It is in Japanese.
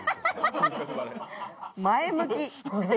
前向き。